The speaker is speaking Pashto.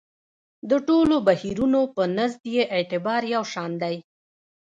د ټولو بهیرونو په نزد یې اعتبار یو شان دی.